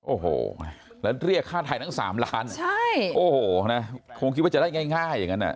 โอ้โหแล้วเรียกค่าไทยทั้งสามล้านใช่โอ้โหนะคงคิดว่าจะได้ง่ายอย่างนั้นอ่ะ